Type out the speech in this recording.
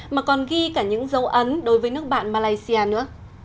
mà còn ghi cả những dấu ấn đối với nước bạn malaysia nữa